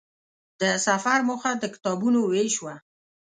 د سفر موخه د کتابونو وېش وه.